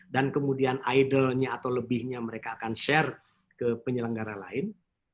kemudian idolnya atau lebihnya mereka akan share ke penyelenggara lain